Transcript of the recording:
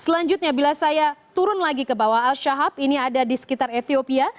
selanjutnya bila saya turun lagi ke bawah al shahab ini ada di sekitar ethiopia